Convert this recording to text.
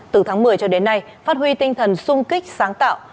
từ tháng một mươi cho đến nay phát huy tinh thần sung kích sáng tạo